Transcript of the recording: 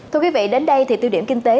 thưa quý vị đến đây thì tiêu điểm kinh tế